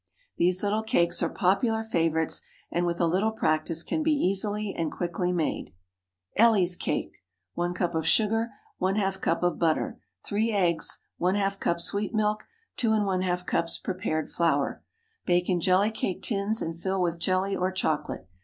These little cakes are popular favorites, and with a little practice can be easily and quickly made. ELLIE'S CAKE. ✠ 1 cup of sugar. ½ cup of butter. 3 eggs. ½ cup sweet milk. 2½ cups prepared flour. Bake in jelly cake tins, and fill with jelly or chocolate.